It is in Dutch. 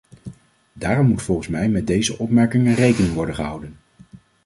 Daarom moet volgens mij met deze opmerkingen rekening worden gehouden.